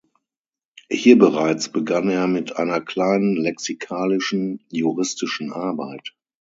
Hier bereits begann er mit einer kleinen lexikalischen juristischen Arbeit.